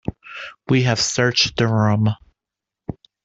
We have searched the room.